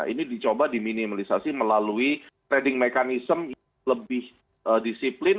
ini dicoba diminimalisasi melalui trading mechanism yang lebih disiplin